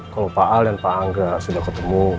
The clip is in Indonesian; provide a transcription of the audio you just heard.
kalau pak al dan pak angga sudah ketemu